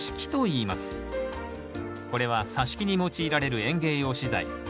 これはさし木に用いられる園芸用資材。